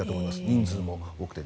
人数も多くて。